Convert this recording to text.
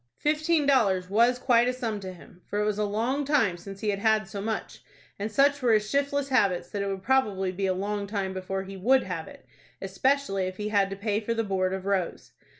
Fifteen dollars was quite a sum to him, for it was a long time since he had had so much, and such were his shiftless habits, that it would probably be a long time before he would have it, especially if he had to pay for the board of Rose.